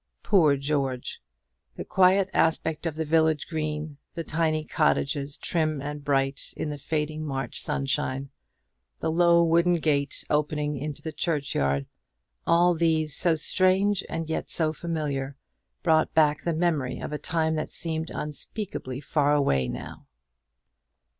Poor George! The quiet aspect of the village green, the tiny cottages, trim and bright in the fading March sunshine; the low wooden gate opening into the churchyard, all these, so strange and yet so familiar, brought back the memory of a time that seemed unspeakably far away now.